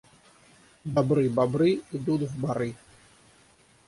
Добры бобры идут в боры.